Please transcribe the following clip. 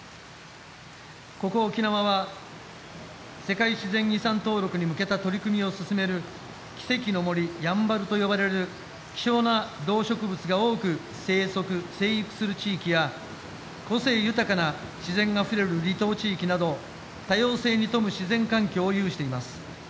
ここ、沖縄は世界自然遺産登録に向けた取り組みを進める「奇跡の森やんばる」と呼ばれる希少な動植物が多く生息・生育する地域や個性豊かな自然あふれる離島地域など多様性に富む自然環境を有しています。